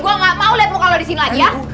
gue gak mau liat lo kalau disini lagi ya